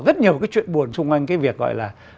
rất nhiều cái chuyện buồn chung quanh cái việc gọi là